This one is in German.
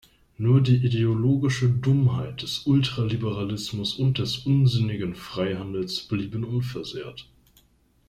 Nur die ideologische Dummheit des Ultraliberalismus und des unsinnigen Freihandels blieben unversehrt.